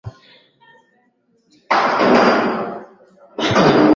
wengi waliingia taratibu Ukristo kupitia madhehebu ya Kikatoliki hadi leoAzimio la Arusha ni